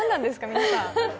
皆さん。